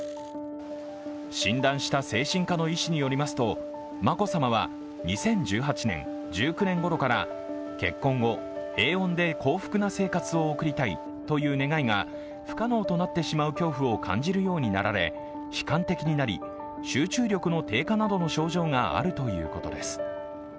診断した精神科の医師によりますと、眞子さまは２０１８年、１９年ごろから結婚後、平穏で幸福な生活を送りたいという願いが不可能となってしまう恐怖を感じるようになられ悲観的になり、集中力の低下などの症状があるということです。